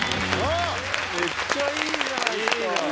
・めっちゃいいじゃないですか・早く。